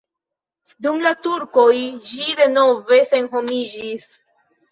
Dum la turkoj ĝi denove senhomiĝis.